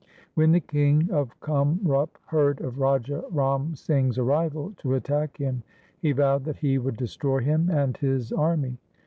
When the king of Kamrup heard of Raja Ram Singh's arrival to attack him, he vowed that he would destroy him and his army.